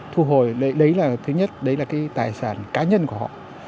thu hồi đấy là thứ nhất đấy là cái tài sản cá nhân của họ